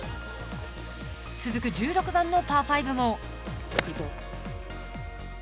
続く１６番のパー５も。